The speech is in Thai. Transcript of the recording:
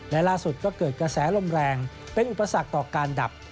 และล่าสุดก็เกิดกระแสลมแรงเป็นอุปสรรคต่อการดับ